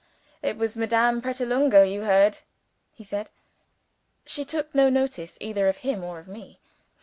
"It was Madame Pratolungo you heard," he said. She took no notice either of him or of me.